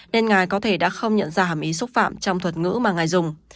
nên ngài có thể đã không nhận ra hàm ý xúc phạm trong thuật ngữ mà ngài dùng